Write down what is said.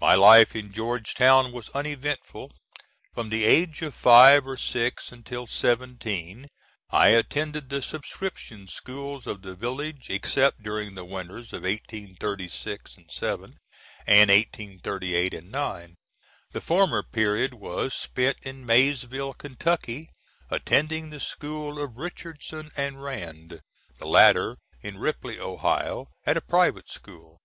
My life in Georgetown was uneventful. From the age of five or six until seventeen, I attended the subscription schools of the village, except during the winters of 1836 7 and 1838 9. The former period was spent in Maysville, Kentucky, attending the school of Richardson and Rand; the latter in Ripley, Ohio, at a private school.